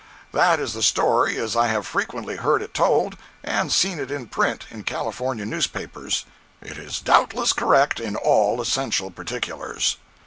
That is the story as I have frequently heard it told and seen it in print in California newspapers. It is doubtless correct in all essential particulars.